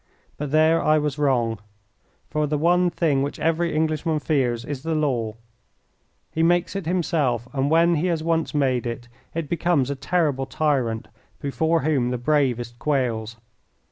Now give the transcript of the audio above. But there I was wrong. For the one thing which every Englishman fears is the law. He makes it himself, and when he has once made it it becomes a terrible tyrant before whom the bravest quails.